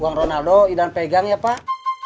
bang ronaldo idan pegang ya pak